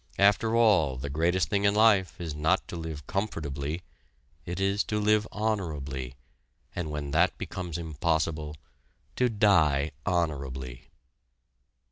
After all, the greatest thing in life is not to live comfortably it is to live honorably, and when that becomes impossible, to die honorably!